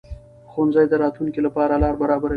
ښوونځی د راتلونکي لپاره لار برابروي